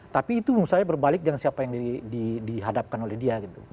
tapi itu menurut saya berbalik dengan siapa yang dihadapkan oleh dia